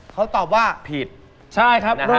เขาตอบว่าผิดใช่ครับ